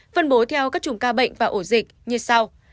phân bố theo các chùm ca bệnh và ổ dịch như sau